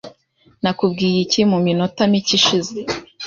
Nakubwiye iki mu minota mike ishize?